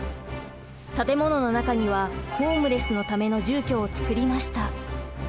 建物の中にはホームレスのための住居を作りました。